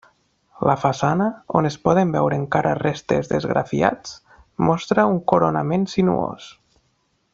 La façana, on es poden veure encara restes d'esgrafiats, mostra un coronament sinuós.